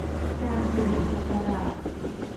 การเปลี่ยนศักราช